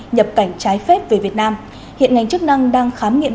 nhập cảnh trái phép về việt nam hiện ngành chức năng đang khám nghiệm